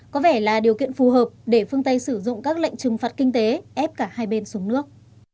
có vẻ là điều kiện phù hợp để phương tây sử dụng các lệnh trừng phạt kinh tế ép cả hai bên xuống nước